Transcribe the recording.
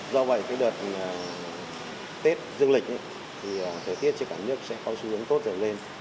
do vậy cái đợt tết dương lịch thì thời tiết trên cả nước sẽ có xu hướng tốt rồi lên